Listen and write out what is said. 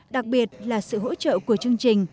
đặc biệt là sự hỗ trợ của chương trình